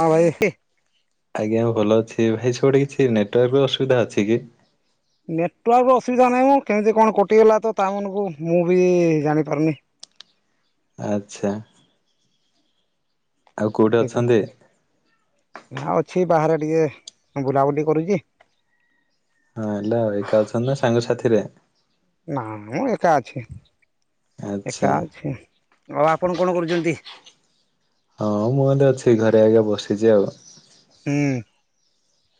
ହଁ ଭାଇ ଆଜ୍ଞା, ଭଲ ଅଛି ଭାଇ ସେପଟେ କିଛି ନେଟୱାର୍କ ଅସୁବିଧା ଅଛି କି? ନେଟ୍ ଆ ଅସୁବିଧା ନାହିଁ ମୁଁ କେମିତି କଣ କଟିଗଲା ତ ତା ମାନଙ୍କୁ ମୁଁ ବି ଜାଣି ପାରୁନି । ଆଛା । ନା ଅଛି ବାହାରେ ଟିକେ ବୁଲାବୁଲି କରୁଛି। ହଁ ହେଲା, ଏକା ଅଛନ୍ତି ନା ସାଙ୍ଗସାଥିରେ? ନା ମୁଁ ଏକା ଅଛି। ଆଚ୍ଛା। ଏକା ଅଛି ଆଉ, ଆପଣ କଣ କରୁଛନ୍ତି? ହଁ, ମୁଁ, ତ ଅଛି ଘରେ ଆଜ୍ଞା, ବସିଛି ଆଉ ହୁଁ ଉଁ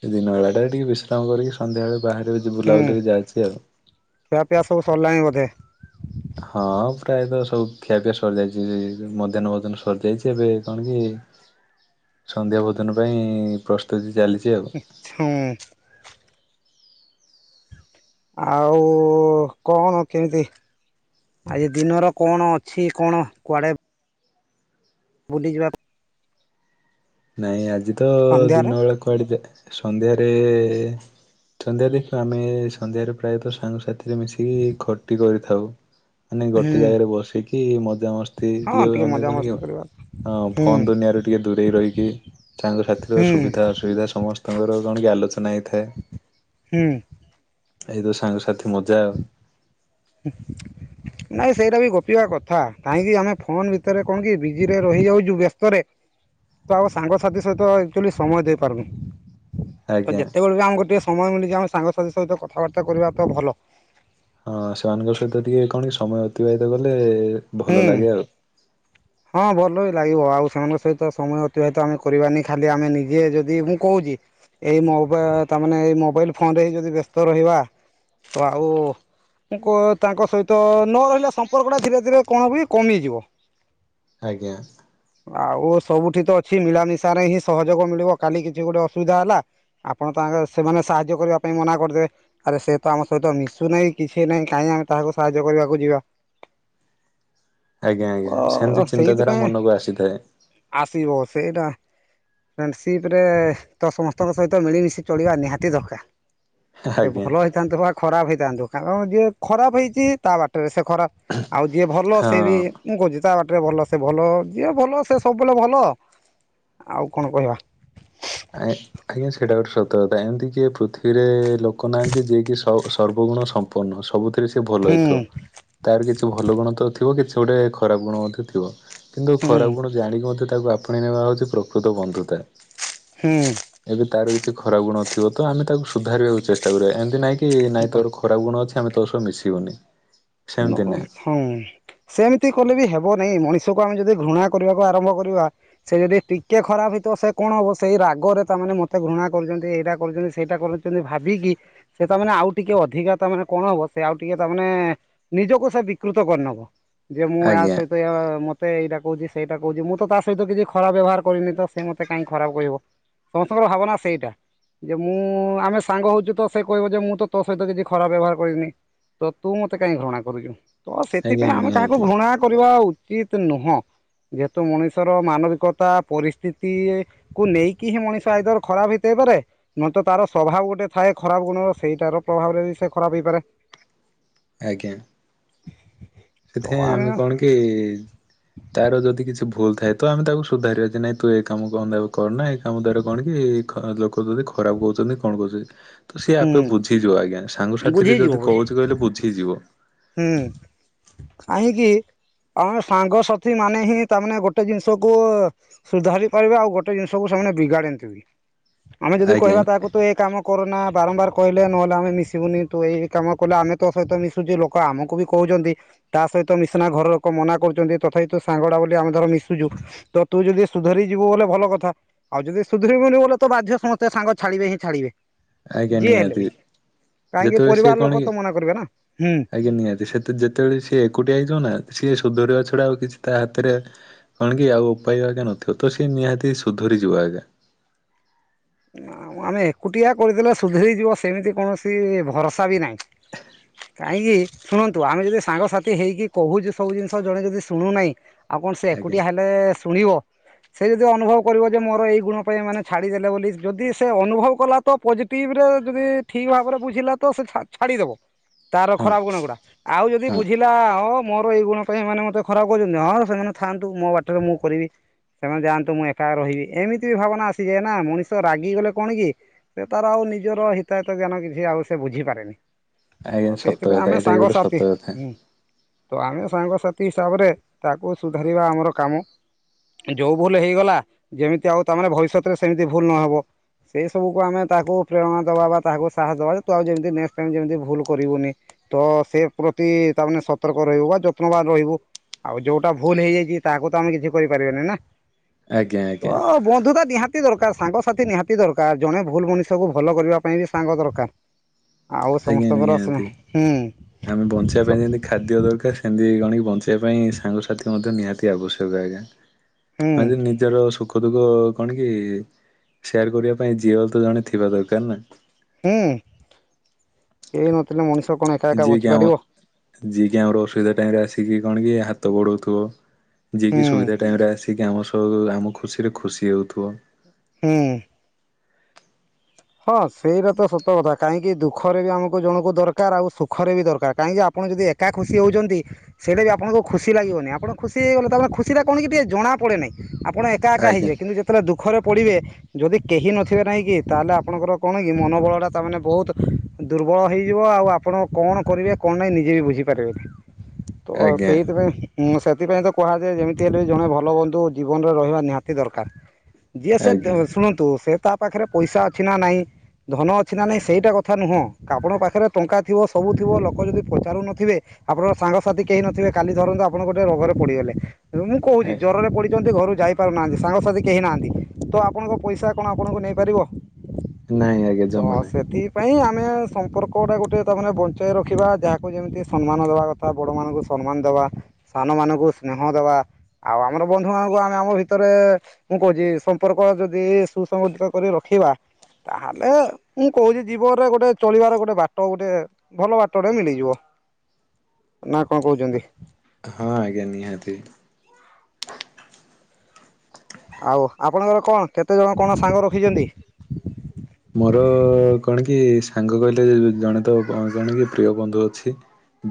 ସେ ଦିନ ବେଳା ଟା ଟିକେ ବିଶ୍ରାମ କରିକି, ସନ୍ଧ୍ୟାବେଳେ ବାହାରେ ଯ ହୁଁ ବୁଲାବୁଲିରେ ଯାଇଛି ଆଉ। କଲାଣି ବୋଧେ । ହଁ ପ୍ରାୟତଃ ସବୁ ଖିଆ ପିଆ ସରିଯାଇଛି ମଧ୍ୟାହ୍ନ ଭୋଜନ ସରିଯାଇଛି, ଏବେ କଣ କି? ସନ୍ଧ୍ୟା ଭୋଜନ ପାଇଁ ପ୍ରସ୍ତୁତି ଚାଲିଛି । ଆଛା। ଆଉ କଣ କେମିତି? ଆଜି ଦିନର କଣ ଅଛି, କଣ କୁଆଡେ? ବୁଲିଯିବା। ନାଇଁ ଆଜି ତ ସନ୍ଧ୍ୟାରେ ଦିନ ବେଳେ କୁଆଡେ ସନ୍ଧ୍ୟାରେ ସନ୍ଧ୍ୟା ଦେଖ, ଆମେ ସନ୍ଧ୍ୟାରେ ପ୍ରାୟତଃ ସାଙ୍ଗସଥିରେ ମିଶିକି ଖଟି କରି ଥାଉ, ମାନେ ହୁଁ ଗୋଟେ ଜାଗାରେ ବସିକି ମଜାମସ୍ତି ହଁ ଟିକେ ମଜାମସ୍ତି [unintelligible] କରିବା ହଁ ହୁଁ ଫୋନ୍ ଦୁନିଆରେ ଟିକେ ଦୂରେଇ ରହିଛିି। ସାଙ୍ଗ ସାଥିର ହୁଁ ସୁବିଧା ଅସୁବିଧା ସମସ୍ତଙ୍କର କଣ କି ଆଲୋଚନା ହେଇଥାଏ। ହୁଁ ଉଁ ଏଇତ ସାଙ୍ଗସାଥି ମଜା ଆଉ। [inaudible] ନାଇଁ ସେଇଟା ବି ଗୋପିବା କଥା କାହିଁକି ଆମେ ଫୋନ ଭିତରେ କଣ କି ବିଜି ରେ ରହି ଯାଉଛୁ ବ୍ୟସ୍ତରେ ତ ଆଉ ସାଙ୍ଗସାଥି ସହିତ ଆଚୁଆଲି ସମୟ ଦେଇ ପାରୁନି। ତ ଆଜ୍ଞା। ଯେତେବେଳେ ବି ଆମକୁ ଟିକେ ସମୟ ମିଳିଛି ଆମେ ସାଙ୍ଗସାଥି ସହିତ କଥାବାର୍ତ୍ତା କରିବା ତ ଭଲ। ହଁ ସେମାନଙ୍କ ସହିତ ଟିକେ କଣ ସମୟ ଅତିବାହିତ କଲେ ହୁଁ ଭଲ ଲାଗେ ଆଉ। ହଁ ଭଲ ବି ଲାଗିବ ଆଉ ସେମାନଙ୍କ ସହିତ ସମୟ ଅତିବାହିତ ଆମେ କରିବାନି ଖାଲି ଆମେ ନିଜେ ଯଦି ମୁଁ କହୁଛି ଏଇ ମୋ ତା ମେ ଏଇ ମୋବାଇଲ ଫୋନରେ ଯଦି ବ୍ୟସ୍ତ ରହିବା ତ ଆଉ। ତାଙ୍କ ସହିତ ନ ରହିଲା ସମ୍ପର୍କ ଟା ଧୀରେ ଧୀରେ କଣ ବି କମିଯିବ। ଆଜ୍ଞା । ଆଉ ସବୁଠି ତ ଅଛି ମିଳାମିଶା ରେ ହିଁ ସହଯୋଗ ମିଳିବ କାଲି କିଛି ଗୋଟେ ଅସୁବିଧା ହେଲା ଆପଣ ତ ଆଗେ ସେମାନେ ସାହାଯ୍ୟ କରିବା ପାଇଁ ମନା କରିଦେବେ ଆରେ ସେ ତ ଆମ ସହିତ ମିଶୁ ନାହିଁ କିଛି ନାହିଁ କାଇଁ [unintelligible] ତାହାକୁ ସାହାଯ୍ୟ କରିବାକୁ ଯିବା । [inaudible] ଆଜ୍ଞା ଆଜ୍ଞା ତ ସେମିତି ଚିନ୍ତାଧାରା ସେଇଥିପାଇଁ ମନକୁ ଆସିଥାଏ । ଏଇଟା । ଫ୍ରେଣ୍ଡସିପ୍ ରେ ତ ସମସ୍ତଙ୍କ ସହିତ ମିଳିମିଶି ଚଳିବା ନିହାତି ଦରକାର । ସେ ଆଜ୍ଞା। ଭଲ ହେଇଥାନ୍ତୁ ବା ଖରାପ ହେଇଥାନ୍ତୁ ତାଙ୍କ ଯିଏ ଖରାପ ହେଇଚ଼ି ତା ବାଟରେ ସେ ଖରାପ ଆଉ ଯିଏ ଭଲ ହଁ ସେ ବି ମୁଁ କହୁଚ଼ି ତା ବାଟରେ ଭଲ ସେ ଭଲ ଯିଏ ଭଲ ସେ ସବୁବେଳେ ଭଲ । ଆଉ କଣ କହିବା? ଆଏ ଆଜ୍ଞା ସେଟା ଗୋଟେ ସତ କଥା ଏମିତି କିଏ ପୃଥିବୀରେ ଲୋକ ନାହାନ୍ତି ଯିଏକି ସୁ ଆଉ ସର୍ବଗୁଣ ସମ୍ପୁର୍ଣ୍ଣ ନ ସବୁଥିରେ ସେ ଭଲ ହୁଁ ହେଇଥିବ ତାର କିଛି ଭଲ ଗୁଣ ତ ଥି ଥିବ କିଛି ଗୋଟେ ଖରାପ ଗୁଣ ମଧ୍ୟ ଥି ଥିବ କିନ୍ତୁ ଖରାପ ହୁଁ ଗୁଣ ଜାଣିକି ମଧ୍ୟ ତା ତାକୁ ଆପଣେଇ ନେବା ହଉଚ଼ି ପ୍ରକୃତ ବନ୍ଧୁତା ଏବେ ତାର କିଛି ଖରାପ ଗୁଣ ଥିବ ତ ଆମେ ତାକୁ ସୁଧାରିବାକୁ ଚେଷ୍ଟା କରିବା ଏମିତି ନାଇଁ କି ନାଇଁ ହୁଁ ତୋର ଖରାପ ଗୁଣ ଅଛି ଆମେ ତୋ ସହ ମିଶିବୁନି । ନ ଅ ହଉଁ ସେମିତି କଲେ ବି ହେବ । ନାଇଁ ମଣିଷକୁ ଆମେ ଯଦି ଘୃଣା କରିବାକୁ ଆରମ୍ଭ କରିବା ସେ ଯଦି ଟିକେ ଖରାପ ହେଇ ତିଅ ସେ କଣ ହବ ସେଇ ରାଗ ଗରେ ତାମାନେ ମତେ ଘୃଣା କରୁଛନ୍ତି ଏଇଟା କରୁଛନ୍ତି ସେଇଟା କରୁଛନ୍ତି ଭାବିକି ସେ ତାମାନେ ଆଉ ଟିକେ ଅଧିକା ତାମାନେ କଣ ହବ ସେ ଆଉ ଟିକେ ତାମାନେ ନିଜକୁ ସେ ବିକୃତ କରିନବ ଯେ ମୁଁ ଏହା ଆଜ୍ଞା ସହିତ ଏ ମତ୍ ତେ ଏଇଟା କହୁଛି ସେଇଟା କହୁଛି ମୁଁ ତ ତା ସହିତ କିଛି ଖରାପ ବ୍ୟବହାର କରିନି ତ ସେ ମତ କାଇଁ ଖରାପ କହିବ? ସମସ୍ତଙ୍କର ଭାବନା ସେଇଟା । ଯେ ମୁଁ ଆମେ ସାଙ୍ଗ ହଉଚୁ ତ ସେ କହିବ ଯେ ମୁଁ ତ ତୋ ସହିତ କିଛି ଖରାପ ବ୍ୟବହାର କରିନି । ତ ତୁ ମତେ କାଇଁ ଘୃଣା କରୁଚୁ ତ ଆଜ୍ଞା ସେଥିପାଇଁ ଆମେ କାହାକୁ ନିହାତି ଘୃଣା କରିବା ଉ ଚିତ୍ ନୁହଁ । ଯେହେତୁ ମଣିଷର ମାନବିକତା ପରିସ୍ତିତି କୁ ନେଇକି ହିଁ ମଣିଷ ଆଇଦର୍ ଖରାପ ହେଇଥାଏ ଏପାରେ ନଏଲ ତ ତାର ସ୍ଵଭାବ ଗୋଟେ ଥାଏ ଖରାପ ଗୁଣ ସେଇଟା ର ପ୍ରଭାବରେ ବି ସେ ଖରାପ ହେଇପାରେ । ଆଜ୍ଞା । [inaudible] ସେଥିପାଇଁ ଆମେ କଣ କି ତାର ଯଦି କିଛି ଭୁଲ ଥାଏ ତ ଆମେ ତାକୁ ସୁଧାରିବା ଯେ ନାଇଁ ତୁ ଏ କାମ କନାବେ କରନା ଏ କାମ ଦ୍ଵାରା କଣ କି କି ଖ ଲୋକ ତତେ ଖରାପ କଉଚ଼ନ୍ତି କଣ କହୁଚ଼ଇ । ତ ସିଏ ଆପେ ହୁଁ ବୁଝିଯିବ ଆଜ୍ଞା ସାଙ୍ଗସାଥି ଦେ ବୁଝିଯିବ ଯଦି ବୁଝ କହୁଚ଼ି କହିଲେ ବୁଝିଯିବ । ହୁଁ କାହିଁକି? ଆମ ସାଙ୍ଗସାଥି ମାନେ ହିଁ ତା ମାନେ ଗୋଟେ ଜିନିଷକୁ ଅ ସୁଧାରି ପାରିବେ ଆଉ ଗୋଟେ ଜିନଷକୁ ସ ଏମାନେ ବିଗାଡନ୍ତିବି ଆମେ ଯଦି ଆଜ୍ଞା କହିବା ତାକୁ ତ ଏ କାମ କରନା ବାରମ୍ବାର କହିଲେ ନହେଲେ ଆମେ ମିଶିବୁନି ତୁ ଏଇ କାମ କଲେ ଆମେ ତୋ ସହିତ ମିଶୁଚ଼ି ଲୋ କ ଆମକୁ ବି କହୁଚ଼ନ୍ତି ତା ସହିତ ମିଶିନା ଘର ଲୋକ ମନା କରୁଚ଼ନ୍ତି ତଥାପ ତୋ ସାଙ୍ଗ ଡ଼ା ବୋଲି ଆମେ ଧର ମିଶୁଚୁ । ତ ତୁ ଯଦି ସୁଧରି ଯିବୁ ବୋଲେ ଭଲ କଥା ଆଉ ଯଦି ସୁଧରିବୁନି ବଲେ ତ ବାଧ୍ୟ୍ୟ ସମସ୍ତେ ସାଙ୍ଗ ଛାଡିବେ ହିଁ ଛାଡିବେ । ଆଜ୍ଞା ଯିଏ ହେଲେ ନିହାତି ବି କାହିଁକି ଯେତେବେଳେ ସିଏ ପରିବାର ଲୋକ ତ ମନା କରିବେନା । ହୁଁ । ଦି ସେତେ ଯେତେବେଳେ ସିଏ ଏକୁଟିଆ ହେଇଯିବ ନା ସିଏ ସୁଧୁରିବା ଛଡା ଆଉ କିଛି ତା ହାତରେ କଣ କି ଆଉ ପାଇବା କେ ନଥିବ ତ ସେ ନିହାତି ସୁଧରି ଯିବ ଆଜ୍ଞା। ଆଉ ଆମେ ଏକୁଟିଆ କହିଦେଲେ ସୁଧରି ଯିବ ସେମିତି କୌଣସି ଭରସା ବି ନାଇଁ । କାହିଁକି ଶୁଣନ୍ତୁ ଆମେ ଯଦି ସାଙ୍ଗସାଥି ହେଇକି କହୁଚୁ ସବୁ ଜିନିଷ୍ ଜଣେ ଯଦି ଶୁଣୁନାହିଁ ଆଉ କଣ ସେ ଆଜ୍ଞା ଏକୁଟିଆ ହେଲେ ଶୁଣିବ । ସେ ଯଦି ଅନୁଭବ କରିବ ଯେ ମୋର ଏଇ ଗୁଣ ପାଇଁ ମାନେ ଛାଡି ଦେଲେ ବୋଲି ଯ୍ ଯଦି ସେ ଅନୁଭବ କଲା ତ ପଜିଟିଭ୍ ରେ ଯଦି ଠିକ୍ ଭାବରେ ବୁଝିଲା ତ ସେ ଛା ଛାଡିଦବ। ତାର ହଁ ଖରାପ ଗୁଣ ଗୁଡା ଆଉ ଯଦି ହଁ ବୁଝିଲା ଅ ମୋର ଏଇ ଗୁଣ ପାଇଁ ଏମାନେ ମତେ ଖରାପ କହୁଚ଼ନ୍ତି ହଁ ସେମାନେ ଥାନ୍ତୁ ମୋ ବାଟରେ ମୁଁ କରିବି ସେମାନେ ଯାଆନ୍ତୁ, ମୁଁ ଏକା ରହିବି । ଏମିତି ବି ଭାବନା ଆସି ଯାଏ ନା ମଣିଷ ରାଗିଗଲେ କଣ କି ସେ ତାର ଆଉ ନିଜର ହିତାହିତ ଜ୍ଞାନ କିଛି ଆଉ ସେ ବୁଝିପାରେନି। ଆଜ୍ଞା ତ ସତ ସେଇଥିପାଇଁ କଥା ଆମେ ଏଇଟା ବି ଗୋଟେ ସତ ସାଙ୍ଗସାଥି କଥା । ହୁଁ। ତ ଆମେ ସାଙ୍ଗସାଥି ହିସାବରେ ତାକୁ ସୁଧାରିବା ଆମର କାମ। ଯୋଉ ଭୁଲ ହେଇଗଲା ଯେମିତି ଆଉ ତାମାନେ ଭବିଷ୍ୟତରେ ସେମିତି ଭୁଲ ନହେବ। ସେଇ ସବୁକୁ ଆମେ ତାକୁ ପ୍ରେରଣା ଦେବା ବା ତାହାକୁ ସାହସ ଦେବା ଯେ ତୁ ଆଉ ଯେମିତି ନେକ୍ସଟ୍ ଟାଇମ୍ ଯେମତି ଭୁଲ କରିବୁନି। ତ ସେ ପ୍ରତି ତାମାନେ ସତର୍କ ରହିବୁ ବା ଯତ୍ନବାନ ରହିବୁ। ଆଉ ଯୋଉଟା ଭୁଲ ହେଇଯାଇଛି, ତାହାକୁ ତ ଆମେ କିଛି କରିପାରିବାନି ନା। ଆଜ୍ଞା ଆଜ୍ଞା ତ ବନ୍ଧୁତା ନିହାତି ଦର ସାଙ୍ଗସାଥି ନିହାତି ଦରକାର ଜଣେ ଭୁଲ ମଣିଷକୁ ଭଲ କରିବା ପାଇଁ ବି ସାଙ୍ଗ ଦରକାର। ଆଉ ଆଜ୍ଞା ସମସ୍ତଙ୍କର ନିହାତି ହୁଁ ଆମେ ବଞ୍ଚିବା ପାଇଁ ଯେମିତି ଖାଦ୍ୟ ଦରକାର। ସେମିତି କଣ କି ବ [unintelligible] ପାଇଁ ସାଙ୍ଗସାଥି ମଧ୍ୟ ନିହାତି ଆବଶ୍ୟକ ଆଜ୍ଞା। ହୁଁ ଆଜି ନିଜର ସୁଖ ଦୁଃଖ କଣ କି ସେୟାର କରିବା ପାଇଁ, ଯିଏ ହେଲେତ ଜଣେ ଥିବା ଦରକାର ନା। ହୁଁ କେ ନତ ଯିଏକି ଆମ ଯିଏକି ଆମର ଅସୁବିଧା ଟାଇମରେ ଆସି କଣ କି ହାତ ବଢଉଥିବ ।ଯିଏ ହୁଁ କିି ସୁବିଧା ଟାଇମରେ ଆସି ଯିଏକି ଆମ ସହ ଆମ ଖୁସିରେ ଖୁସି ହେଉଥିବ। ହୁଁ। ହଁ, ସେଇଟା ତ ସତ କଥା କାହିଁକି ଦୁଃଖରେ ବି ଆମକୁ ଜଣଙ୍କୁ ଦରକାର ଆଉ ସୁଖରେ ବି ଦରକାର। କାହିଁକି ଆପ ଆପଣ ଯଦି ଏକା ଖୁସି ହେଉଛନ୍ତି, ସେଇଟା ବି ଆଣଙ୍କୁ ଖୁସି ଲାଗିବନି । ଆପଣ ଖୁସି ହେଇଗଲେ ତା ମାନେ ଖୁସିଟା କଣ କି ଟିକେ ଜଣାପ ପଡ଼େ ନାହିଁ ଆପଣ ଏକା ଏକା ଆଜ୍ଞା ହେଇଯିବେ। କିନ୍ତୁ ଯେତେବେଳେ ଦୁଃଖରେ ପଡିବେ, ଯଦି କେହି ନଥିବେ ନାହିଁ କି ତାହେଲେ ଆ ଆପଣଙ୍କର କଣ କି ମାନବଳଟା ତାମାନେ ବହୁତ ଦୁର୍ବଳ ହେଇଯିବ। ଆଉ ଆପଣ କଣ କରିବେ କଣ ନାଇଁ ନିଜେ ବୁଝି ପାରିବେନି । ତ ଆଜ୍ଞା ସେଇଥିପାଈଁ ସେଥିପାଇଁ ତ କୁହାଯାଏ ଯେମିତି ହେଲେ ବି ଜଣେ ଭଲ ବନ୍ଧୁ ଜୀବନରେ ରହିବା ନିହାତି ଦରକାର। ଯିଏ ସେ ଆଜ୍ଞା ଶୁଣନ୍ତୁ ସେ ତା ପାଖରେ ପଇସା ଅଛି ନା ନାଇଁ। ଧନ ଅଛି ନା ନାଇଁ ସେଇଟା କଥା ନୁହଁ । ଆପଣଙ୍କ ପାଖରେ ଟଙ୍କା ଥିବ ସବୁଥିବ ଲୋକ ଯଦି ପଚାରୁନଥିବେ। ଆପଣଙ୍କ ସାଙ୍ଗସାଥି କେହି ନଥିବେ କାଲି ଧରନ୍ତୁ ଆପଣଙ୍କ ଗୋଟେ ରୋଗରେ ପଡିଗଲେ। ଏ ମୁଁ କହୁଛି ଆଜ୍ଞା ଜ୍ୱରରେ ପଡିଛନ୍ତି ଘରୁ ଯାଇପାରୁନାହାନ୍ତି ସାଙ୍ଗସାଥି କେହି ନାହାନ୍ତି ତ ଆପଣଙ୍କ ପଇସା କଣ ଆପଣଙ୍କୁ ନେଇପାରିବ। ନାଇଁ ଆଜ୍ଞା ତ ଜମା ନାହିଁ। ସେଥିପାଇଁ ଆ ଆମେ ସମ୍ପର୍କଟା ଗୋଟେ ତା ମାନେ ବଞ୍ଚାଇ ରଖିବା। ଯାହାକୁ ଯେମିତି ସମ୍ମାନ ଦେବା କଥା ବଡମାନଙ୍କୁ ସମ୍ମାନ ଦେବା। ବା ସାନ ମାନଙ୍କୁ ସ୍ନେହ ଦେବା। ଆଉ ଆମର ବନ୍ଧୁମାନଙ୍କୁ ଆମେ ଆମ ଭିତରେ ମୁଁ କହୁଛି। ସମ୍ପର୍କ ଯଦି ସୁସଙ୍ଗଠିତ କରି ରଖିବା। [inaudible] ତାହେଲେ ମୁଁ କହୁଛି ଜୀବନରେ ଗୋଟେ ଚଳିବାର ଗୋଟେ ବାଟ ଗୋଟେ ଭଲ ବାଟଟେ ମିଳିଯିବ। [inaudible] ନା କଣ କହୁଛନ୍ତି ହଁ ଆଜ୍ଞା ନିହାତି। ଆଉ ଆପଣଙ୍କର କଣ କେତେଜଣ କଣ ସାଙ୍ଗ ରଖିଛନ୍ତି? ମୋର କଣ କି? ସାଙ୍ଗ କହିଲେ ଜଣେ ତ ଜଣେ କି ପ୍ରିୟ ବନ୍ଧୁ ଅଛି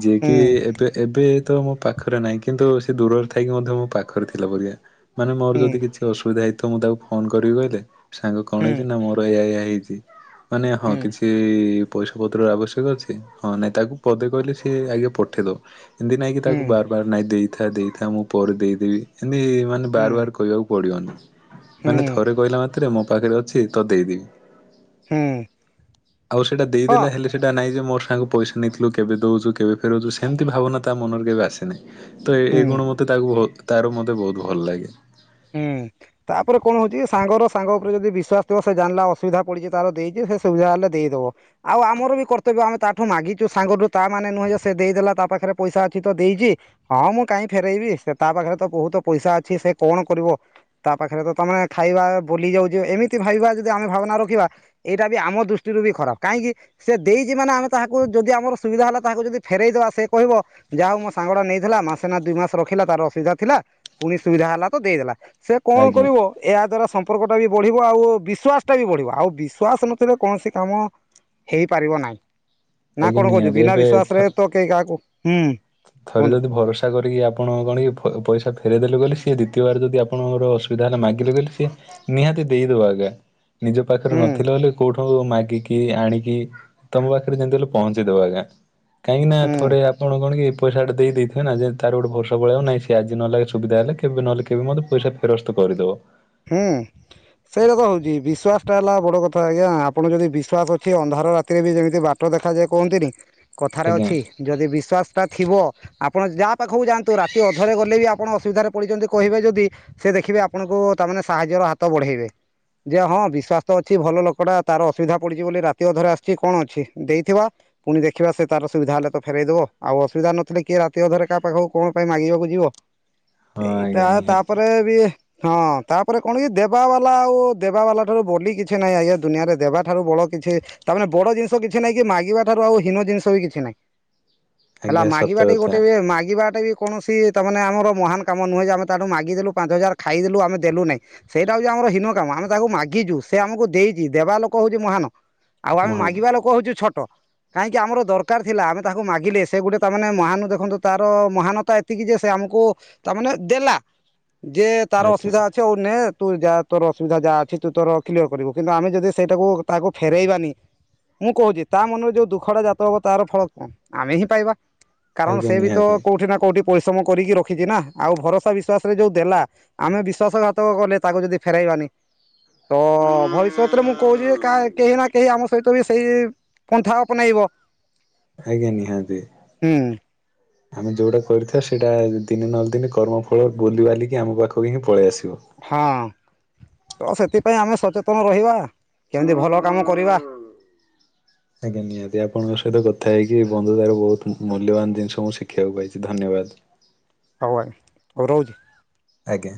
ଯିଏକି ହୁଁ ଏବେ ଏବେ ତ ମୋ ପାଖରେ ନାହିଁ କିନ୍ତୁ ସେ ଦୂରରେ ଥାଇକି ମଧ୍ୟ ମୋ ପାଖରେ ଥିଲା ପରିକା। ମାନେ ମୋର ହୁଁ ଯଦି କିଛି ଅସୁବିଧା ହେଇଥବ। ମୁଁ ତାକୁ ଫୋନ କରିକି କହିଲେ ସାଙ୍ଗ କଣ ହୁଁ ହେଇଛି ନା ମୋର ଏଇଆ ଏଇଆ ହେଇଚି ମାନେ ହଁ ହୁଁ କିଛି ପଇସା ପତ୍ରର ଆବଶ୍ୟକ ଅଛି ।ହଁ ନାଇଁ ତାକୁ ପଦେ କହିଲେ ସିଏ ଆଗେ ପଠେଇଦବ। ଏମିତି ନାଇଁ କି ହୁଁ ତାକୁ ବାର ବାର ନାଇଁ ଦେଇଥା ଦେଇଥା ମୁଁ ପରେ ଦେଇଦେବି। ଏମିତି ମାନେ ହୁଁ ବାର ବାର କହିବାକୁ ପଡ଼ିବନି ମାନେ ହୁଁ ଥରେ କହିଲା ମାତ୍ରେ ମୋ ପାଖରେ ଅଛି ତ ଦେଇଦେବି। ହୁଁ ଆଉ ସେଟା ହଁ ଦେଇଦେଲା ହେଲେ ସେଟା ନାଇଁ ଯେ ମୋର ତାଙ୍କୁ ପଇସା ନେଇଥିଲୁ କେବେ ଦୋଉଚୁ କେବେ ଫେରଉଚୁ ସେମିତି ଭାବନା ତା ମନରେ କେବେ ଆସେ ନାହିଁ। ତ ଏଇ ହୁଁ ଏଇ ଗୁଣ ମତେ ତାକୁ ବୋହୁତ ତାର ମତେ ବୋହୁତ ଭଲ ଲାଗେ। ହୁଁ। ତାପରେ କଣ ହୋଉଚି ସାଙ୍ଗର ସାଙ୍ଗ ଉପରେ ଯଦି ବିଶ୍ୱାସଥିବ ସେ ଜାଣିଲା ଅସୁବିଧା ପଡିଚି ତାର ଦେଇଚି ସେ ସୁବିଧା ହେଲେ ଦେଇ ଦବ ଆଉ ଆମର ବି କର୍ତ୍ତବ୍ୟ ଆମେ ତାଠୁ ମାଗିଚୁ ସାଙ୍ଗଠୁ ତା ମାନେ ନୁହେଁ ଯେ ସେ ଦେଇଦେଲା ତା ପାଖରେ ପଇସା ଅଛି ତ ଦେଇଚି ହଁ ମୁଁ କାଇଁ ଫେରେଇବି ସେ ତା ପାଖରେ ତ ବୋହୁତ ପଇସା ଅଛି ସେ କଣ କରିବ ତା ପାଖେରେ ତ ତମେ ଖାଇବା ଭୁଲି ଯାଉଚ ଏମିତି ଭାବିବା ଯଦି ଆମେ ଭାବନା ରଖିବା ଏଇଟା ବି ଆମ ଦୃଷ୍ଟିରୁ ବି ଖରାପ କାହିଁକି ସେ ଦେଇଚି ମାନେ ଆମେ ତାହାକୁ ଯଦି ଆମର ସୁବିଧା ହେଲା ତାହାକୁ ଯଦି ଫେରେଇଦବା ସେ କହିବ ଯାହା ହୋଉ ମୋ ସାଙ୍ଗଟା ନେଇଥିଲା ମାସେ ନା ଦୁଇ ମାସ ରଖିଲା ତାର ଅସୁବିଧା ଥିଲା ପୁଣି ସୁବିଧା ହେଲା ଦେଇଦେଲା ସେ କଣ ଆଜ୍ଞା କରିବ ଏହା ଦ୍ଵାରା ସମ୍ ସମ୍ପର୍କଟା ବି ବଢିବ ଆଉ ବିଶ୍ଵାସ ଟା ବି ବଢିବ ଆଉ ବିଶ୍ଵାସ ନଥିଲେ କୌଣସି କାମ ହେଇପାରିବ ନାହିଁ ନା ଆଜ୍ଞା କଣ କହୁଚୁ ନିହାତି ବିନା ଏବେ ବିଶ୍ଵାସ ରେ ଥ- ତ କେହି କାହାକୁ ହୁଁ। ଥରେ କୁହନ୍ତୁ ଯଦି ଭରସା କରିକି ଆପଣ କଣ କି ଫ ପଇସା ଫେରେଇ ଦେଲେ ବୋଲି ସିଏ ଦି ନଥିବାର ଯଦି ଆପଣଙ୍କର ଅସୁବିଧା ହେଲା ମାଗିଲେ କଲେ ସିଏ ନିହାତି ଦେଇଦବ ଆଜ୍ଞା। ନିଜ ପାଖରେ ହୁଁ ନଥିଲେ ହେଲେ କୋଉଠୁ ଉ ମାଗିକି ଆଣିକି ତମ ପାଖରେ ଯେନ୍ତି ହେଲେ ପହଞ୍ଚେଇ ଦବ ଆଜ୍ଞା। କାହିଁକି ନା ହୁଁ ଥଡେ ଆପଣ କଣ କି ପଇସାଟା ଦେଇ ଦେଇଥାଏନା ଆଜି ତାର ଗୋଟେ ଭରସା ପଳେଇବ ନାହିଁ ସିଏ ଆଜି ନହେଲେ ସୁବିଧା ହେଲେ କେବେ ନହେଲେ କେବେ ମତେ ପଇସା ଫେରସ୍ତ କ କରିଦବ। ହୁଁ। ସେଇଡ଼ା ତ ହୋଉଚି ବିଶ୍ୱାସ ଟା ହେଲା ବଡ କଥା ଆଜ୍ଞା ଆପଣ ଯଦି ବିଶ୍ୱାସ ଅଛି ଅନ୍ଧାର ରାତିରେ ବି ଯେମିତି ବା ଟ ଦେଖାଯାଏ କହନ୍ତିନି କଥାରେ ଆଜ୍ଞା ଅଛି ଯଦି ବିଶ୍ୱାସ ତା ଥିବ ଆପଣ ଯାହା ପାଖକୁ ଯାଆନ୍ତୁ ରାତି ଅଧରେ ଗଲେ ବି ଆପଣ ଅସୁବିଧାରେ ପଡ଼ିଚନ୍ତି କହିବେ ଯଦି ସେ ଦେଖିବେ ଆପଣଙ୍କୁ ତାମାନେ ସାହାଯ୍ୟର ହାତ ବଢେଇବେ। ଯେ ହଁ ବିଶ୍ଵାସ ଅଛି ଭଲ ଲୋକୋ ଟା ତାର ଅସୁବିଧା ପଡିଚି ବୋଲି ରାତି ଅଧରେ ଆସିଚି କଣ ଅଛି ଦେଇଥିବା। ପୁଣି ଦେଖିବା ସେ ତାର ସୁବିଧା ହେଲେ ତ ଫେରେଇ ଦବ ଆଉ ଅସୁବିଧା ନଥିଲେ କିଏ ରାତି ଅଧରେ କାହା ପାଖକୁ କଣ ପାଇଁ ମାଗିବାକୁ ଯିବ। ହଁ ଏଇଟା ଆଜ୍ଞା ନିହାତି ତାପରେ ବି ହଁ। ତାପରେ କଣ କି ଦେବା ବାଲା ଆଉ ଦେବା ବାଲା ଠାରୁ ବୋଲି କିଛି ନାହିଁ ଆଜ୍ଞା ଦୁନିଆରେ ଦେବା ଠାରୁ ବଳ କିଛି ତା ମାନେ ବଡ଼ ଜିନିଷ କିଛି ନାହିଁ କି ମାଗିବା ଠାରୁ ଆଉ ହୀନ ଜିନିଷ ବି କିଛି ନାହିଁ। [inaudible] ହେଲା ସତ ମାଗିବା ଟେ କଥା ଗୋଟେ ବି ମାଗିବା ଟାବି କୌଣସି ତାମାନେ ଆମର ମହାନ କାମ ନୁହେଁ ଯେ ଆମେ ତାଠୁ ମାଗିଦେଲୁ ପାଞ୍ଚ ହଜାର ଖାଇଦେଲୁ ଆମେ ଦେଲୁ ନାହିଁ ସେଇଟା ହୋଉଛି ଆମର ହୀନ କାମ ଆମେ ତାକୁ ମାଗିଛୁ ସେ ଆମକୁ ଦେଇଛି ଦେବା ଲୋକୋ ହୋଉଛି ମହାନ। ଆଉ ଆମେ ମହାନ ମାଗିବା ଲୋକୋ ହୋଉଚୁ ଛୋଟୋ। କାହିଁକି ଆମର ଦରକାର ଥିଲା ଆମେ ତାହାକୁ ମାଗିଲେ ସେ ଗୁଟେ ତାମାନେ ମହାନ ଦେଖନ୍ତୁ ତାର ମହାନତା ଏତିକି ଯେ ସେ ଆମ କୁ ତାମାନେ ଦେଲା ଯେ ତାର ଆଜ୍ଞା। ଅସୁବିଧା ଅଛି ଆଉ ନେ ତୁ ଯାହା ତୋରୋ ଅସୁବିଧା ଯାହା ଅଛି ତୁ ତୋରୋ କ୍ଲିୟର କରିବୁ କିନ୍ତୁ ଆମେ ଯଦି ସେଇଟାକୁ ତାହାକୁ ଫେରେଇବାନି। ମୁଁ କହୁଚି ତା ମନରେ ଯୋଉ ଦୁଃଖ ଟା ଜାତ ହବ ତାର ଫଳ କଁ ଆମେ ହିଁ ପାଇବା। କାରଣ ଆଜ୍ଞା ସେ ବି ତ ନିହାତି କୋଉଠି ନା କୋଉଠି ପରିଶ୍ରମ କରିକି ରଖିଚି ନା ଆଉ ଭରସା ବିଶ୍ଵାସରେ ଯୋଉ ଦେଲା ଆମେ ବି ବିଶ୍ୱାସଘାତକ କଲେ ତାକୁ ଯଦି ଫେରାଇବାନି। ତ ଭବିଷ୍ୟତରେ ମୁଁ କୋହୁଚି ଯେ କା କେହି ନା କେହି ଆମ ସହିତ ବି ସେଇ ପନ୍ଥା ଆପନେଇବ। ଆଜ୍ଞା ନିହାତି। ଆମେ ଯୋଉଟା କରିଥିବା ସେଇଟା ଦିନେ ନହେଲେ ଦିନେ କର୍ମ ଫଳ ବୁଲିିବାଲିକି ଆମ ପାଖକୁ ହିଁ ପଳେଇ ଆସେ। ହଁ। ତ ସେଥିପାଇଁ ଆମେ ସଚେତନ ରହିବା କେମିତି ଭଲ କାମ କରିବା। ଆଜ୍ଞା ନିହାତି ଆପଣଙ୍କ ସହିତ କଥା ହେଇକି ବନ୍ଧୁତାର ବହୁତ ମୂଲ୍ୟବାନ ଜିନିଷ ମୁଁ ଶିଖିବାକୁ ପାଇଚି ଧନ୍ୟବା ବାସ୍। [unintelligible] ହୋଉ ରହୁଚି। ଆଜ୍ଞା।